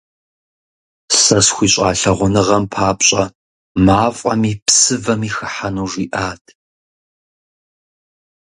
Сэ схуищӏа лъагъуныгъэм папщӏэ мафӏэми псывэми хыхьэну жиӏат…